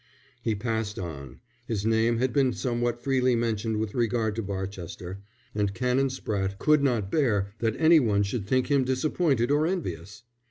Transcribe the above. He passed on. His name had been somewhat freely mentioned with regard to Barchester, and Canon Spratte could not bear that any one should think him disappointed or envious.